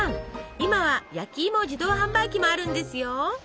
今は焼きいも自動販売機もあるんですよ。